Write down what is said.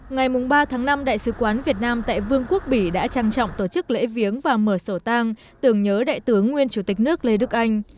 ngày ba tháng năm đại sứ quán việt nam tại vương quốc bỉ đã trang trọng tổ chức lễ viếng và mở sổ tang tưởng nhớ đại tướng nguyên chủ tịch nước lê đức anh